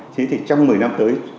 thế thì trong một mươi năm tới